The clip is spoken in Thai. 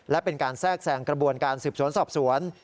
และเป็นการแทรกแซงกระบวนการสืบสวนสอบสวน